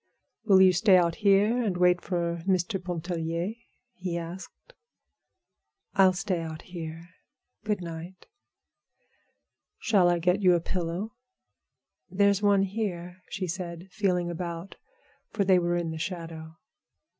"Will you stay out here and wait for Mr. Pontellier?" he asked. "I'll stay out here. Good night." "Shall I get you a pillow?" "There's one here," she said, feeling about, for they were in the shadow.